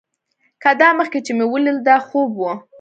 که دا مخکې چې مې ليدل دا خوب و.